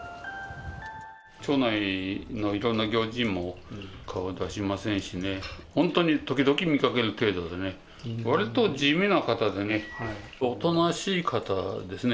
町内のいろんな行事にも顔を出しませんしね、本当に時々見かける程度でね、わりと地味な方でね、おとなしい方ですね。